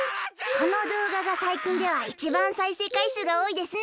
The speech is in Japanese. このどうががさいきんではいちばんさいせいかいすうがおおいですね。